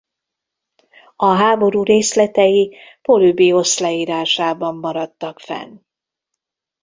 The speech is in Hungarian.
A háború részletei Polübiosz leírásában maradtak fenn.